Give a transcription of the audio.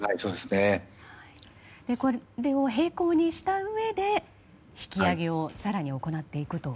これを平行にしたうえで引き揚げを更に行っていくと。